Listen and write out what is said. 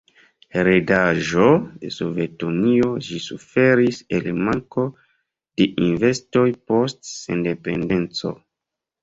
Heredaĵo de Sovetunio, ĝi suferis el manko de investoj post sendependeco.